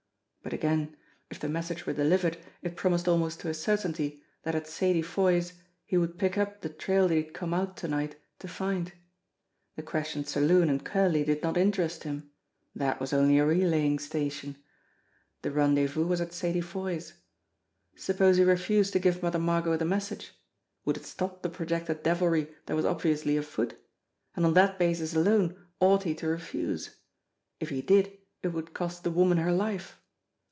But again, if the message were delivered it promised almost to a certainty that at Sadie Foy's he would pick up the trail he had come out to night to find. The Crescent Saloon and Curley did not interest him. That was only a relaying station. The rendezvous was at Sadie Foy's. Suppose he refused to give Mother Margot ihe message? Would it stop the projected devilry that was obviously afoot? And on that basis alone ought he to refuse ? If he did, it would cost the woman her life.